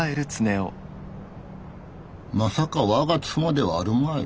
まさか我が妻ではあるまい。